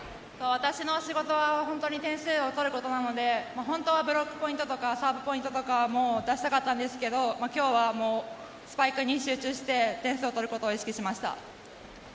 私の仕事は本当に点数を取ることなので本当はブロックポイントとかサーブポイントとかも出したかったんですが今日はスパイクに集中して点数を取ることを意識しました。